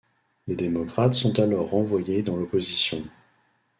Les Démocrates sont alors renvoyés dans l'opposition.